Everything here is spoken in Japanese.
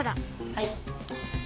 はい。